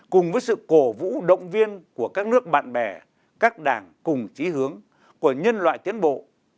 cùng với sự cổ vũ động viên của các nước bạn bè các đảng cùng trí hướng của nhân loại tiến bộ